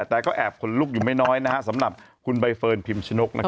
แต่ก็แอบขนลุกอยู่ไม่น้อยสำหรับคุณใบเฟิร์นพิมชนก